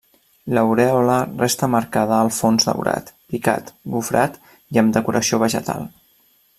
L'aurèola resta marcada al fons daurat, picat, gofrat i amb decoració vegetal.